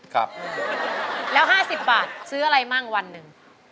ครับแล้ว๕๐บาทซื้ออะไรมั่งวันหนึ่ง